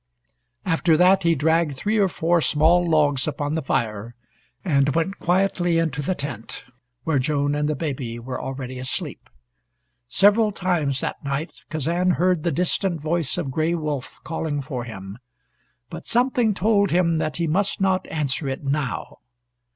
After that he dragged three or four small logs upon the fire, and went quietly into the tent where Joan and the baby were already asleep. Several times that night Kazan heard the distant voice of Gray Wolf calling for him, but something told him that he must not answer it now.